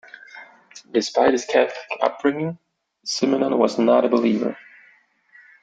Despite his Catholic upbringing, Simenon was not a believer.